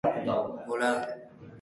Nor uste duzu naizela?